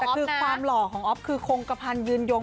แต่คือความหล่อของอ๊อฟคือคงกระพันยืนยง